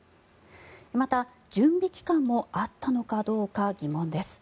また準備期間もあったのかどうか疑問です。